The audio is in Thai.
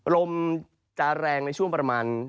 ลมจะแรงในช่วงประมาณ